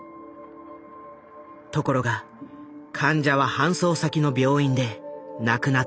ところが患者は搬送先の病院で亡くなってしまった。